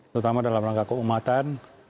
terutama dalam langkah keumatan